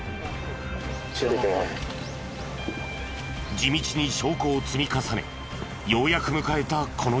地道に証拠を積み重ねようやく迎えたこの日。